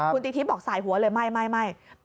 คุณตีทิพย์บอกสายหัวเลยไม่